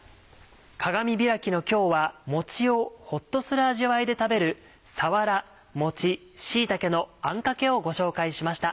鏡開きの今日はもちをホッとする味わいで食べる「さわら、もち、椎茸のあんかけ」をご紹介しました。